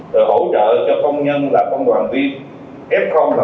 rồi hỗ trợ cho công nhân là công đoàn viên f là ba triệu